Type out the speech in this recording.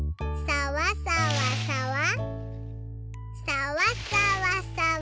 さわさわさわ。